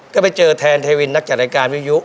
ก็ไปเจอแทนเทวินนักจัดรายการวิยุ